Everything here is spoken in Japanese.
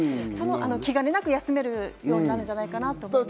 気兼ねなく休めるようになるんじゃないかなと思います。